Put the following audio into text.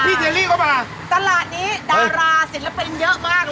ตลาดนี้ดาราศิลปินเยอะมากเลย